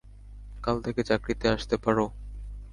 কাল থেকে চাকরিতে আসতে পারো?